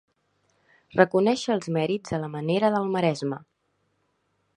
Reconèixer els mèrits a la manera del Maresme.